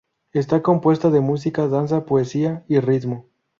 Está compuesta de música, danza, poesía y ritmo.